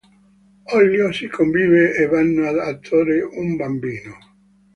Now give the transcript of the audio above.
Ollio si convince e vanno ad adottare un bambino.